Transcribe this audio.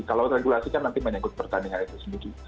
kalau regulasi kan nanti menyangkut pertandingan itu sendiri